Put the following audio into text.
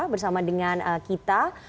bersama dengan kita